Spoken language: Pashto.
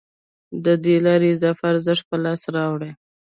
له دې لارې اضافي ارزښت په لاس راوړي